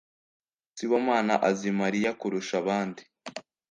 Sibomana azi Mariya kurusha abandi.